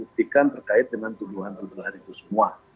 diperhatikan terkait dengan tujuan tujuan itu semua